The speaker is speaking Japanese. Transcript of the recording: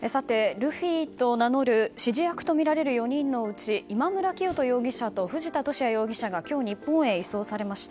ルフィと名乗る指示役とみられる４人のうち今村磨人容疑者と藤田聖也容疑者が今日、日本へ移送されました。